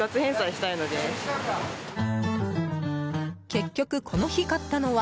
結局、この日買ったのは